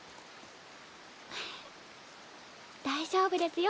大丈夫ですよ。